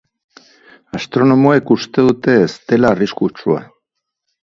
Astronomoek uste dute ez dela arriskutsua.